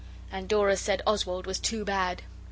And Dora said Oswald was too bad.